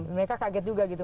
mereka kaget juga gitu